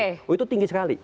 oh itu tinggi sekali